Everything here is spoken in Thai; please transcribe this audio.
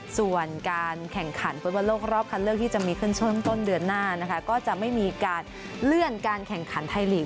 ส่วนการแข่งขันฟุตบอลโลกรอบคันเลือกที่จะมีขึ้นช่วงต้นเดือนหน้านะคะก็จะไม่มีการเลื่อนการแข่งขันไทยลีก